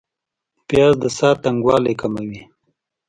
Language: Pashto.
پیاز د ساه تنګوالی کموي